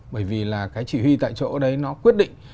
bởi vì là cái chỉ huy tại chỗ đấy nó quyết định